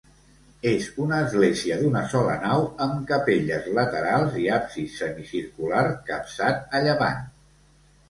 És una església d'una sola nau amb capelles laterals i absis semicircular capçat a llevant.